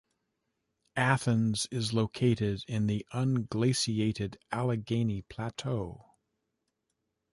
Athens is located in the unglaciated Allegheny Plateau.